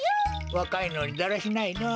わかいのにだらしないのう。